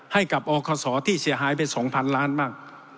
ให้กับอศที่เสียหายไปสองพันล้านบ้าง